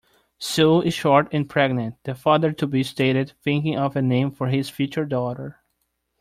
"Sue is short and pregnant", the father-to-be stated, thinking of a name for his future daughter.